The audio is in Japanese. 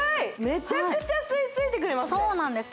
めちゃくちゃ吸い付いてくれますねそうなんです